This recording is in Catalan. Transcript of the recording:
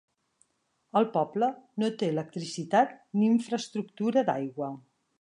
El poble no té electricitat ni infraestructura d'aigua.